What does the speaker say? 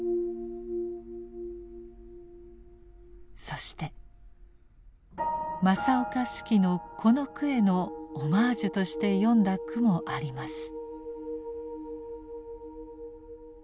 そして正岡子規のこの句へのオマージュとして詠んだ句もあります。